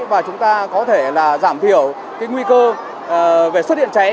và chúng ta có thể giảm thiểu cái nguy cơ về xuất hiện cháy